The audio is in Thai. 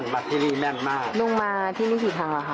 บอกไม่ได้